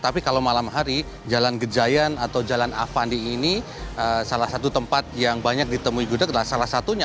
tapi kalau malam hari jalan gejayan atau jalan avandi ini salah satu tempat yang banyak ditemui gudeg adalah salah satunya